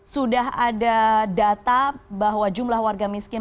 sudah ada data bahwa jumlah warga miskin